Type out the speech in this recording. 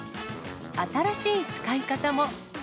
新しい使い方も。